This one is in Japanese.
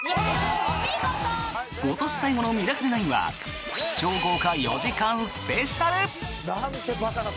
今年最後の「ミラクル９」は超豪華４時間スペシャル！